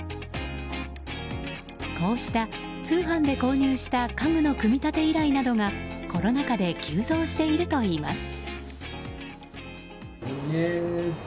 こうした通販で購入した家具の組み立て依頼などがコロナ禍で急増しているといいます。